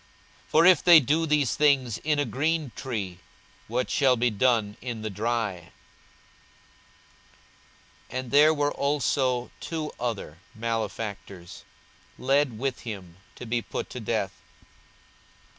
42:023:031 For if they do these things in a green tree, what shall be done in the dry? 42:023:032 And there were also two other, malefactors, led with him to be put to death.